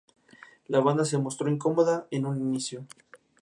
La banda se mostró incomoda en un inicio.